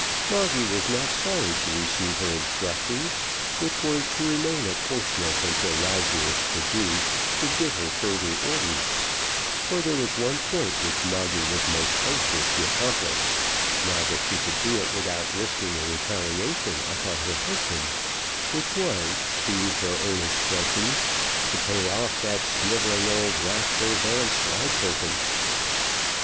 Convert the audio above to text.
Moggy was not sorry to receive her instructions, which were, to remain at Portsmouth until Lazarus the Jew should give her further orders; for there was one point which Moggy was most anxious to accomplish, now that she could do it without risking a retaliation upon her husband, which was, to use her own expression, to pay off that snivelling old rascal, Vanslyperken.